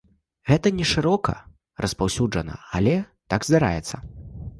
Гэта не шырока распаўсюджана, але так, здараецца.